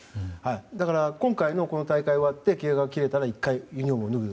だから、この大会が終わって契約が切れたら１回、ユニホームを脱ぐ。